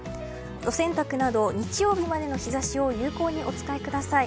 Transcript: お洗濯など日曜日までの日差しを有効にお使いください。